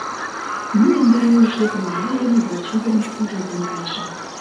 Мый яндар южыш лекме амал дене врач ӱдырым ужатен кайышым.